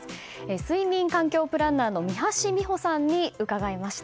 睡眠環境プランナーの三橋美穂さんに伺いました。